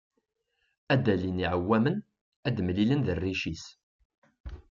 Ad d-alin yiɛewwamen, ad d-mlilen d rric-is.